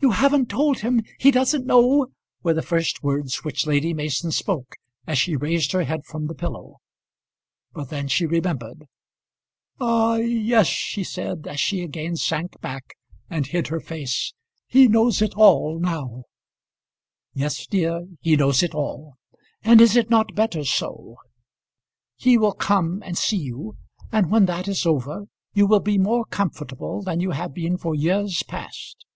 "You haven't told him! he doesn't know!" were the first words which Lady Mason spoke as she raised her head from the pillow. But then she remembered. "Ah! yes," she said, as she again sank back and hid her face, "he knows it all now." "Yes, dear; he knows it all; and is it not better so? He will come and see you, and when that is over you will be more comfortable than you have been for years past."